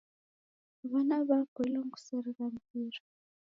W'ana w'apoilwa ni kusarigha mpira.